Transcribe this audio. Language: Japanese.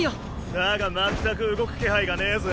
だが全く動く気配がねぇぜ。